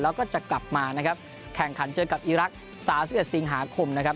แล้วก็จะกลับมานะครับแข่งขันเจอกับอีรักษ์๓๑สิงหาคมนะครับ